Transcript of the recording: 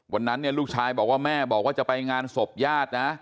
วันนั้นเนี่ยลูกชายบอกว่าแม่บอกว่าจะไปงานศพญาตินะ